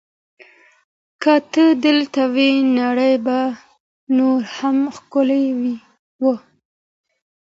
که ته دلته وای، نړۍ به نوره هم ښکلې وه.